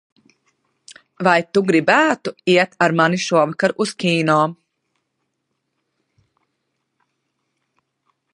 Vai tu gribētu iet ar mani šovakar uz kino?